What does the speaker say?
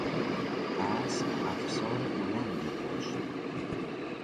اسب افسار بلندی داشت.